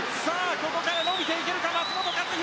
ここから伸びていけるか松元克央。